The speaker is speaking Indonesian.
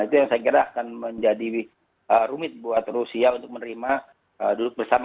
itu yang saya kira akan menjadi rumit buat rusia untuk menerima duduk bersama